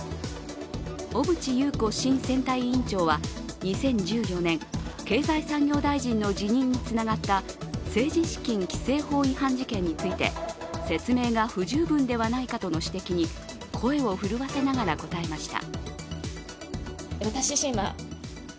小渕優子新選対委員長は２０１４年、経済産業大臣の辞任につながった政治資金規正法違反事件について説明が不十分ではないかとの指摘に声を震わせながら答えました。